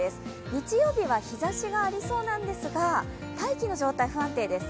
日曜日は日ざしがありそうなんですが大気の状態、不安定です。